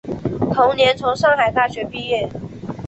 同年从上海大学毕业。